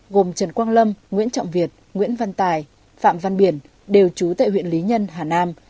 gồm trần quang lâm nguyễn trọng việt nguyễn văn tài phạm văn biển đều trú tại huyện lý nhân hà nam